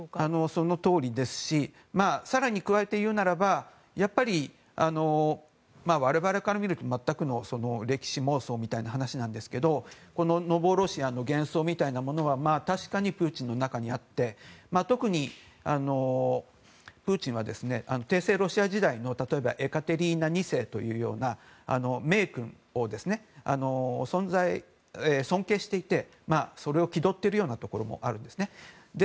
そのとおりですし更に加えて言うならばやっぱり、我々から見ると全くの歴史妄想みたいな話なんですけどもノボロシアの幻想みたいなものは確かにプーチンの中にあって特に、プーチンは帝政ロシア時代の例えばエカテリーナ２世というような名君を尊敬していてそれを気取っているようなところもあるんですね。